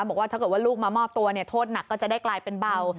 บอกว่าถ้าเกิดว่าลูกมามอบตัวโทษหนักก็จะได้กลายเป็นเบา